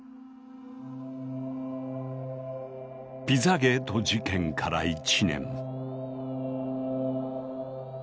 ピザゲート事件から１年。